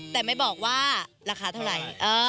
แต่ไม่บอกว่าราคาเท่าไหร่